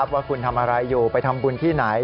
ว่าคุณทำอะไรอยู่ไปทำบุญที่ไหน